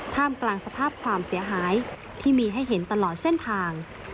กลางสภาพความเสียหายที่มีให้เห็นตลอดเส้นทาง